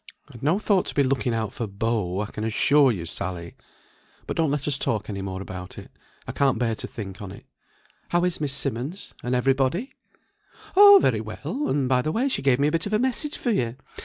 "I'd no thought to be looking out for beaux, I can assure you, Sally. But don't let us talk any more about it; I can't bear to think on it. How is Miss Simmonds? and everybody?" "Oh, very well; and by the way she gave me a bit of a message for you.